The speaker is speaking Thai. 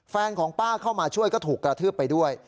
ของป้าเข้ามาช่วยก็ถูกกระทืบไปด้วย